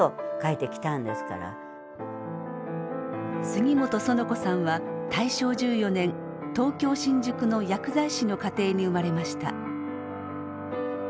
杉本苑子さんは大正１４年東京・新宿の薬剤師の家庭に生まれました。